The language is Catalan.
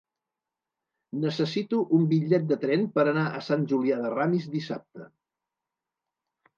Necessito un bitllet de tren per anar a Sant Julià de Ramis dissabte.